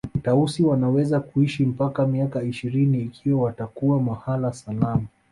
Tausi wanaweza kuishi mpaka miaka ishirini ikiwa watakuwa mahala salama